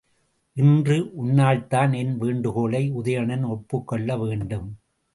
இன்று உன்னால்தான் என் வேண்டுகோளை உதயணன் ஒப்புக்கொள்ள வேண்டும்.